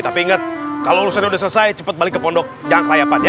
tapi ingat kalau urusan udah selesai cepat balik ke pondok yang layapan ya